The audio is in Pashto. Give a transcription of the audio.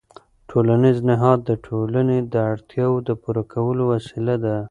ټولنیز نهاد د ټولنې د اړتیاوو د پوره کولو وسیله ده.